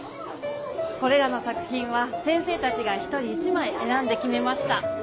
これらの作品は先生たちが一人一まいえらんできめました。